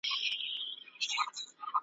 د ظالم عمر به لنډ وي په خپل تېغ به حلالیږي !.